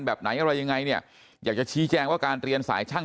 แบบไหนอะไรยังไงเนี่ยอยากจะชี้แจงว่าการเรียนสายช่าง